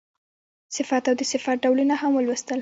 صفت او د صفت ډولونه هم ولوستل.